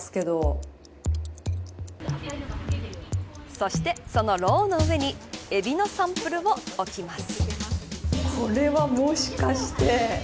そして、そのろうの上にエビのサンプルを置きます。